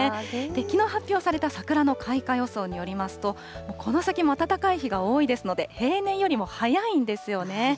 きのう発表された桜の開花予想によりますと、この先も暖かい日が多いですので、平年よりも早いんですよね。